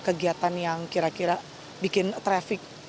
kegiatan yang kira kira bikin traffic